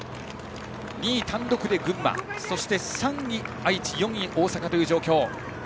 ２位、単独で群馬そして３位、愛知４位に大阪という状況。